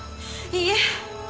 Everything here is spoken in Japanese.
いいえ。